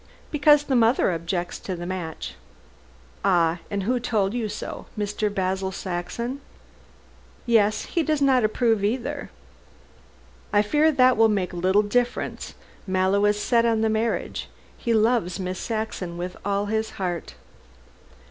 "Because the mother objects to the match." "Ah! And who told you so? Mr. Basil Saxon?" "Yes. He does not approve of it either." "I fear that will make little difference. Mallow is set on the marriage. He loves Miss Saxon with all his heart."